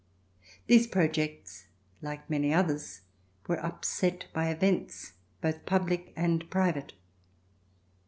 These projects, like many others, were upset by events both public and private.